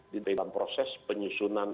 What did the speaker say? di dalam proses penyusunan